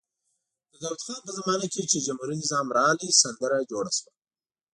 د داود خان په زمانه کې چې جمهوري نظام راغی سندره جوړه شوه.